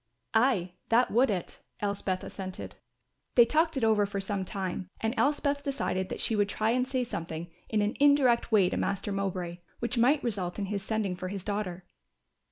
"Ay, that would it," Elspeth assented. They talked it over for some time and Elspeth decided that she would try and say something in an indirect way to Master Mowbray, which might result in his sending for his daughter.